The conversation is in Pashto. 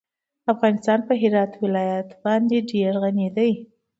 افغانستان په هرات ولایت باندې ډېر غني دی.